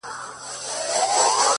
• اې گوره تاته وايم؛